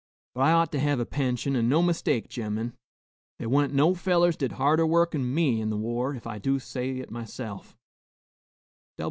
But I ought to hev a pension, an' no mistake, gemmen. They wa'n't no fellers did harder work 'n me in the war, ef I do say it myself."